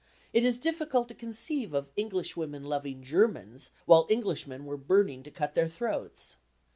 It is difficult to conceive of Englishwomen loving Germans while Englishmen were burning to cut their throats.